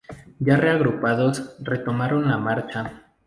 Ya reagrupados, retomaron la marcha.